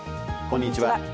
こんにちは。